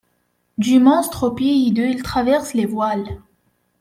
Du monstre aux pieds hideux il traverse les voiles ;